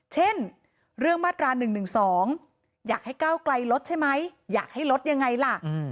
เช่นเรื่องมาตรา๑๑๒อยากให้ก้าวไกลลดใช่ไหมอยากให้ลดยังไงล่ะ